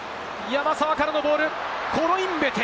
山沢からのボール、コロインベテ。